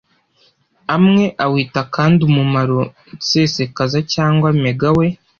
amwe awita kandi umumaro nsesekaza yangwa Mega we